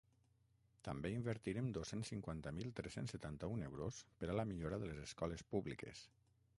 També invertirem dos-cents cinquanta-un mil tres-cents setanta-un euros per a la millora de les escoles públiques.